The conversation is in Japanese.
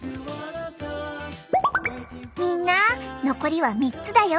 みんな残りは３つだよ！